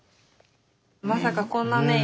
まさかこんなね